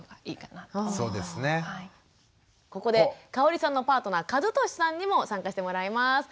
ここでかおりさんのパートナー和俊さんにも参加してもらいます。